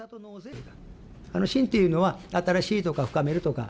シンっていうのは、新しいとか深めるとか。